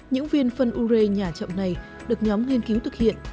những viên phân u rê nhà chậm này được nhóm nghiên cứu thực hiện